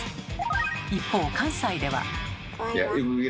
一方関西では。